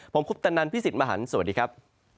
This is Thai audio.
ผมคุปตะนันพี่สิทธิ์มหันฯสวัสดีครับ